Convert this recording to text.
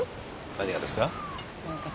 何がですか？